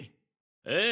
ええ。